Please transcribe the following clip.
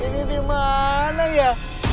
ini dimana ya